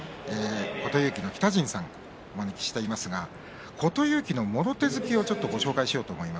琴勇輝の北陣さんをお招きしていますが琴勇輝のもろ手突きをご紹介しようと思います。